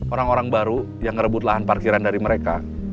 orang orang baru yang ngerebut lahan parkiran dari mereka